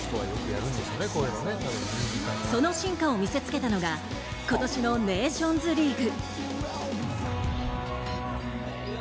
その進化を見せつけたのが今年のネーションズリーグ。